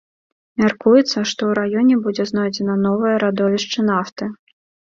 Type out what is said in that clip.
Мяркуецца, што ў раёне будзе знойдзена новае радовішча нафты.